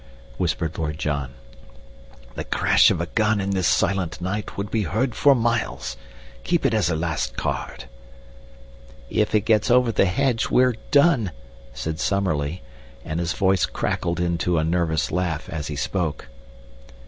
whispered Lord John. "The crash of a gun in this silent night would be heard for miles. Keep it as a last card." "If it gets over the hedge we're done," said Summerlee, and his voice crackled into a nervous laugh as he spoke.